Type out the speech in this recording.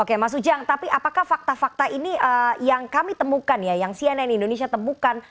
oke mas ujang tapi apakah fakta fakta ini yang kami temukan ya yang cnn indonesia temukan